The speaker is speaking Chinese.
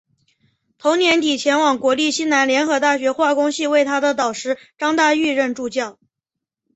同年底前往国立西南联合大学化工系为他的导师张大煜任助教。